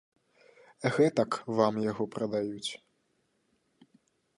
Гэтак вам яго прадаюць.